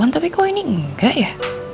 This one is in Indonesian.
tapi kok ini enggak ya